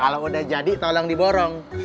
kalau udah jadi tolong diborong